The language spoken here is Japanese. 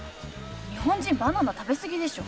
日本人バナナ食べ過ぎでしょ。